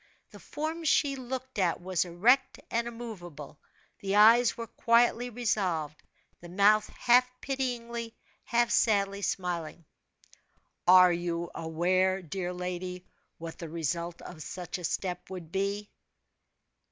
The form she looked at was erect and immovable, the eyes were quietly resolved, the mouth half pityingly, half sadly smiling. "Are you aware, dear lady, what the result of such a step would be?"